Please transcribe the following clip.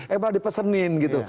eh malah dipesenin gitu